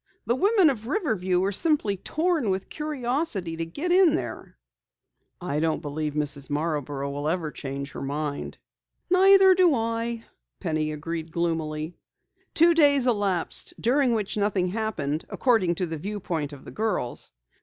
The women of Riverview are simply torn with curiosity to get in there." "I don't believe Mrs. Marborough ever will change her mind." "Neither do I," Penny agreed gloomily. Two days elapsed during which nothing happened, according to the viewpoint of the girls.